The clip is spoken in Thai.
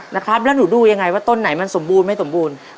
นะครับแล้วหนูดูยังไงว่าต้นไหนมันสมบูรณ์ไม่สมบูรณ์